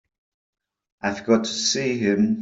I've got to see him.